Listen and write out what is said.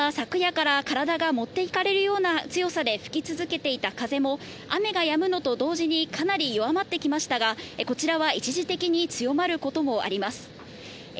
また昨夜から体が持って行かれるような強さで吹き続けていた風も雨がやむのと同時に、かなり弱まってきましたが、こちらは一時的に強まることもあります。